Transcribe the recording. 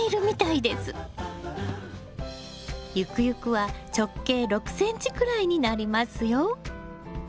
ゆくゆくは直径６ｃｍくらいになりますよ。